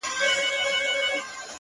ستا څخه ډېر تـنگ ـ